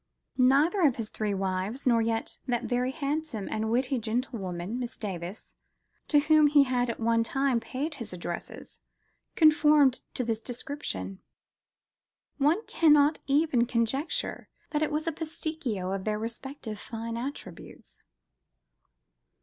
Neither of his three wives, nor yet that "very handsome and witty gentlewoman," Miss Davis, to whom he had at one time paid his addresses, conformed to this description: one cannot even conjecture that it was a pasticcio of their respective fine attributes.